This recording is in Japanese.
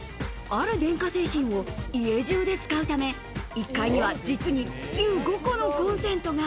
ある電化製品を家中で使うため、１階には実に１５個のコンセントが。